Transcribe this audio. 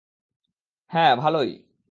হ্যাঁ, ভালোই।